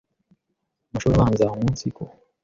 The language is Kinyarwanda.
amashuri abanza umunsiko